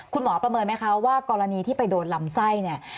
ประเมินไหมคะว่ากรณีที่ไปโดนลำไส้เนี่ย